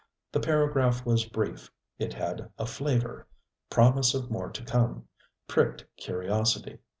The paragraph was brief; it had a flavour. Promise of more to come, pricked curiosity.